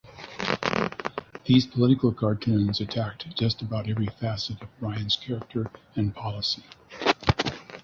These political cartoons attacked just about every facet of Bryan's character and policy.